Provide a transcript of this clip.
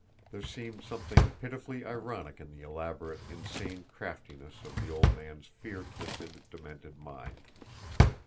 There seemed something pitifully ironic in the elaborate, insane craftiness of the old man's fear twisted, demented mind.